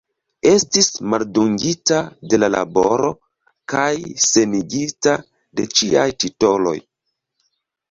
Estis maldungita de la laboro kaj senigita de ĉiaj titoloj.